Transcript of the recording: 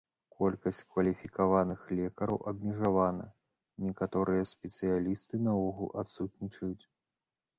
Колькасць кваліфікаваных лекараў абмежавана, некаторыя спецыялісты наогул адсутнічаюць.